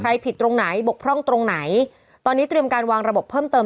ผิดตรงไหนบกพร่องตรงไหนตอนนี้เตรียมการวางระบบเพิ่มเติม